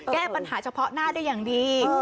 แก้ปัญหาเฉพาะหน้าได้อย่างดี